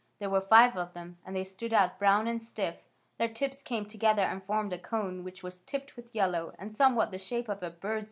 There were five of them, and they stood out brown and stiff. Their tips came together and formed a cone which was tipped with yellow, and somewhat the shape of a bird's bill.